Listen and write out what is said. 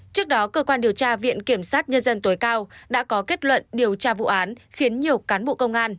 trước đó cơ quan điều tra viện kiểm sát nhân dân tối cao đã có kết luận điều tra vụ án khiến nhiều cán bộ công an